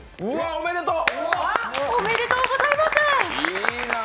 おめでとうございます！！